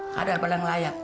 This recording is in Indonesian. kadal paling layak